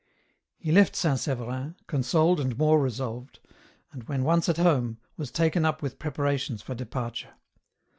He left St. Severin, consoled and more resolved, and, virhen once at home, was taken up with preparations for departure.